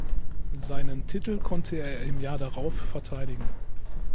Seinen Titel konnte er im Jahr darauf verteidigen.